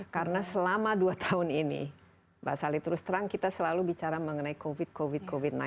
karena selama dua tahun ini mbak sali terus terang kita selalu bicara mengenai covid sembilan belas